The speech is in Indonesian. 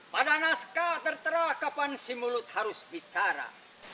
pada naskah tertera kapan si mulut harus bicara